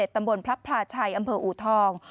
ตำบลพระพลาชัยอำเภออูทอง